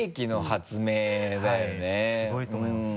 はいすごいと思います。